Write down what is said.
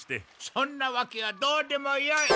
そんなわけはどうでもよい！